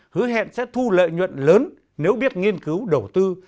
hứa hẹn sẽ thu lợi nhuận lớn nếu biết nghiên cứu đầu tư